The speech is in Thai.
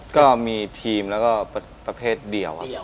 ก็มีทีมแล้วก็ประเภทเดียวครับ